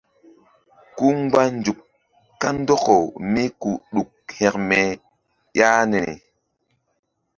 Ku mgba nzuk kandɔkaw mí ke ɗuk hekme ƴah niri.